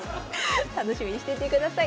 楽しみにしていてください。